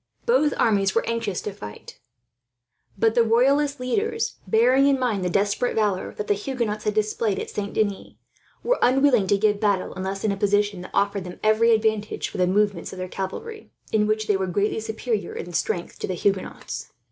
Both armies were anxious to fight; but the royalist leaders, bearing in mind the desperate valour that the Huguenots had displayed at Saint Denis, were unwilling to give battle, unless in a position that afforded them every advantage for the movements of their cavalry, in which they were greatly superior in strength to the Huguenots.